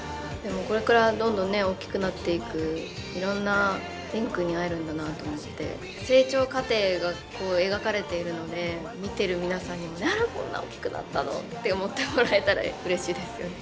これからどんどん大きくなっていくいろんな蓮くんに会えるんだなと思って成長過程がこう描かれているので見てる皆さんにもこんな大きくなったのって思ってもらえたらうれしいですよね。